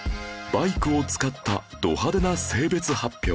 バイクを使ったド派手な性別発表